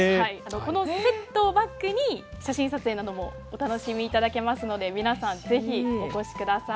このセットをバックに写真撮影などもお楽しみいただけますので皆さん是非お越しください。